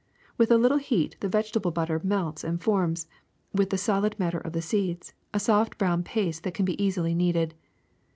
With a little heat the vegetable butter melts and forms, with the solid matter of the seeds, a soft brown paste that can be easily kneaded.